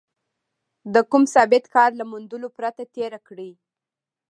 د کوم ثابت کار له موندلو پرته تېره کړې.